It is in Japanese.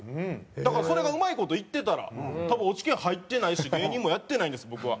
だからそれがうまい事いってたら多分落研入ってないし芸人もやってないんです僕は。